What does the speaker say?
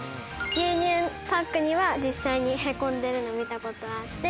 牛乳パックには実際に凹んでるの見たことあって。